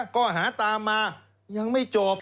ข้อหาตามมายังไม่จบ